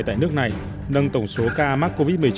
tại nước này nâng tổng số ca mắc covid một mươi chín